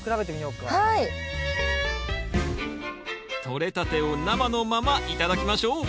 とれたてを生のまま頂きましょう！